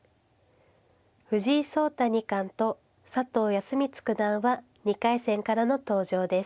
藤井聡太二冠と佐藤康光九段は２回戦からの登場です。